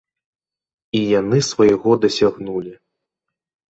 І яны свайго дасягнулі.